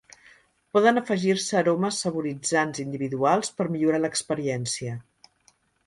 Poden afegir-se aromes saboritzants individuals per millorar l'experiència.